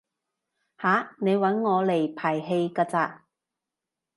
吓？你搵我嚟排戲㗎咋？